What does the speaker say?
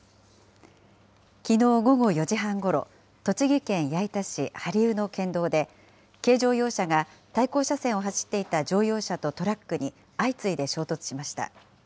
きのう午後４時半ごろ、栃木県矢板市針生の県道で、軽乗用車が対向車線を走っていた乗用車とトラックに相次いで衝突しました。